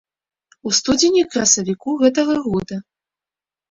У студзені-красавіку гэтага года.